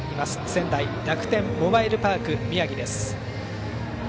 仙台楽天モバイルパーク宮城です。